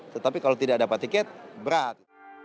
tetapi kalau tidak dapat tiket berat